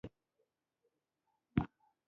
دا ساده خبرې او بې مفهومه انکشافات نه دي.